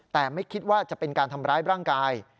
แต่ไม่คิดว่าจะเป็นการทำร้ายร่างกาย